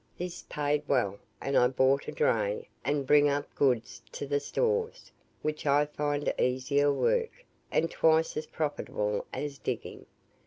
This paid well; and I bought a dray, and bring up goods to the stores, which I find easier work, and twice as profitable as digging.